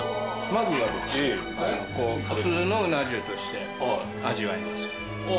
まずはこう普通のうな重として味わいます。